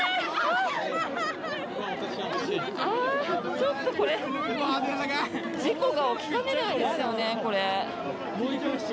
ちょっとこれ事故が起きかねないですよね。